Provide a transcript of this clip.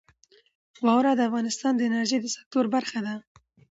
واوره د افغانستان د انرژۍ د سکتور برخه ده.